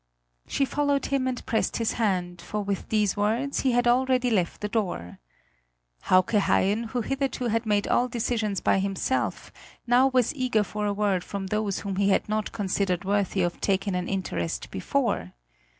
She followed him and pressed his hand, for with these words he had already left the door. Hauke Haien, who hitherto had made all decisions by himself, now was eager for a word from those whom he had not considered worthy of taking an interest before.